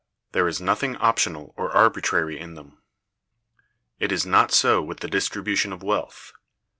There is nothing optional or arbitrary in them. It is not so with the Distribution of Wealth.